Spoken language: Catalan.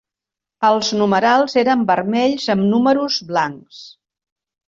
Els numerals eren vermells amb números blancs.